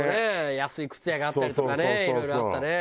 安い靴屋があったりとかねいろいろあったね。